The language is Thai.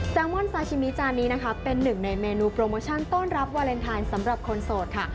ลมอนซาชิมิจานนี้นะคะเป็นหนึ่งในเมนูโปรโมชั่นต้อนรับวาเลนไทยสำหรับคนโสดค่ะ